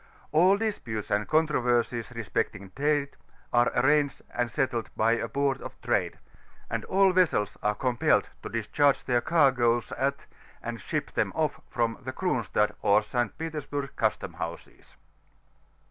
All disputes and controTersies respecting trMe, are arranged and settled bjT a Board of Trade; and all vesseb are compiled to discharge their caigoes at, and ship them off from, the Cronstadt or St. Petersburg custom houses.